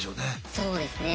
そうですね。